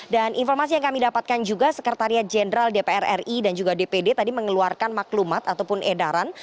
dan informasi yang kami dapatkan juga sekretariat jenderal dpr ri dan juga dpd tadi mengeluarkan maklumat ataupun edaran